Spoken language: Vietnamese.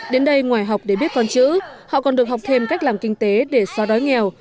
đến đây ngoài học để biết con chữ họ còn được học thêm cách làm kinh tế để xóa đói nghèo